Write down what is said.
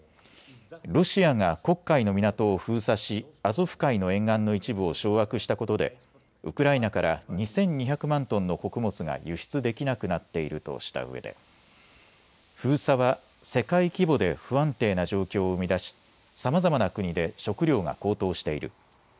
ロシアが黒海の港を封鎖しアゾフ海の沿岸の一部を掌握したことでウクライナから２２００万トンの穀物が輸出できなくなっているとしたうえで封鎖は世界規模で不安定な状況を生み出し、さまざまな国で食料が高騰している。